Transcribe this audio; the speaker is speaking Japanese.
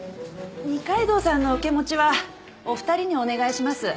二階堂さんの受け持ちはお二人にお願いします。